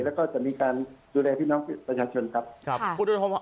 แล้วก็จะมีการดูแลพี่น้องประชาชนครับครับ